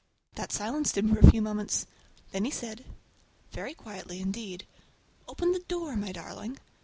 That silenced him for a few moments. Then he said—very quietly indeed, "Open the door, my darling!"